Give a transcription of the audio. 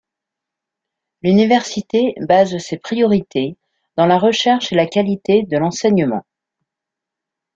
L'université base ses priorités dans la recherche et la qualité de l'enseignement.